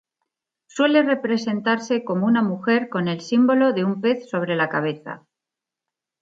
Suele representarse como una mujer con el símbolo de un pez sobre la cabeza.